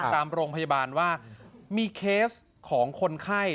ตามโรงพยาบาลว่ามีเคสของคนไข้